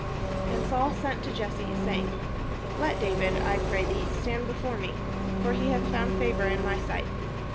And Saul sent to Jesse, saying, "Let David, I pray thee, stand before me; for he hath found favour in my sight."